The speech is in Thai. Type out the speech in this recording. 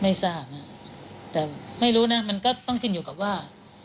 ไม่ทราบนะแต่ไม่รู้นะมันก็ต้องขึ้นอยู่กับว่า